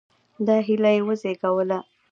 دا هیله یې وزېږوله.